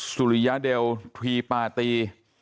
สุริยเดลทรีปาตี